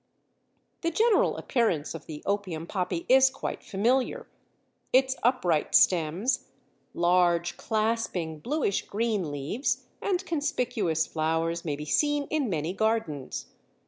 The general appearance of the Opium Poppy is quite familiar; its upright stems, large, clasping, bluish green leaves and conspicuous flowers may be seen in many gardens.